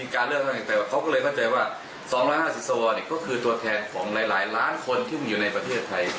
สองละห้าสิบทรวว์เนี้ยมีแต่คนโจมตีปสวโลกติดไปนะมีการเลือกห้าย